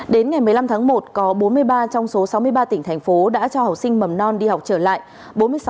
đến ngày một mươi năm tháng một có bốn mươi ba trong số sáu mươi ba tỉnh thành phố đã cho học sinh mầm non đi học trở lại